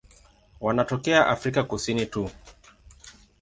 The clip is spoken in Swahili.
Wanatokea Afrika Kusini tu.